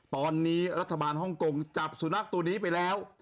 ตอนนี้รัฐบาลฮ่องกงจับสุนัขตัวนี้ไปแล้ว